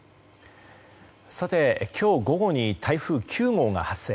さて、今日午後に台風９号が発生。